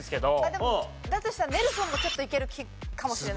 でもだとしたらネルソンもちょっといけるかもしれない。